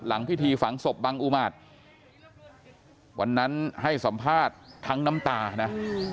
พิธีฝังศพบังอุมาตรวันนั้นให้สัมภาษณ์ทั้งน้ำตานะ